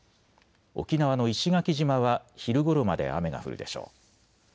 沖縄の石垣島は昼ごろまで雨が降るでしょう。